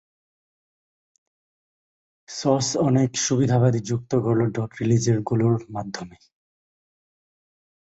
স্যাস অনেক সুবিধাদি যুক্ত করল ডট-রিলিজগুলোর মাধ্যমে।